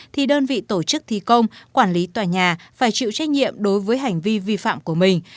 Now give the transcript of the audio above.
thì đơn vị tổ chức thi công quản lý tòa nhà phải chịu trách nhiệm đối với hành vi vi phạm của mình